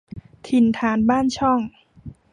ถิ่นฐานบ้านช่อง